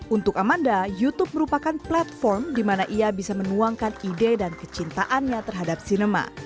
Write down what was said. untuk amanda youtube merupakan platform di mana ia bisa menuangkan ide dan kecintaannya terhadap sinema